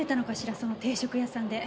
その定食屋さんで。